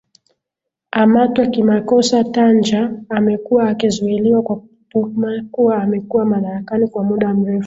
amatwa kimakosa tanja amekuwa akizuiliwa kwa tuhma kuwa amekuwa madarakani kwa muda mrefu